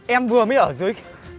em vừa mới ở dưới